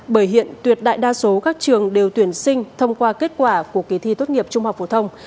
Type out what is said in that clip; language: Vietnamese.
bởi hiện tuyệt đại đa số các trường đều tuyển sinh thông qua kết quả của kỳ thi tốt nghiệp trung học phổ thông